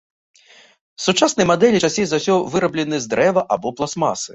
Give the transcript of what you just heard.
Сучасныя мадэлі часцей за ўсё выраблены з дрэва або пластмасы.